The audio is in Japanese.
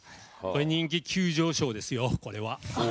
人気急上昇ですよ、これは。